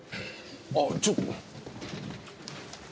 あっちょっと。